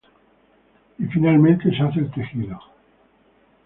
Y finalmente, se hace el tejido.